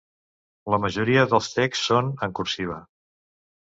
La majoria dels texts són en cursiva.